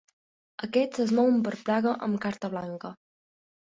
Aquests es mouen per Praga amb carta blanca.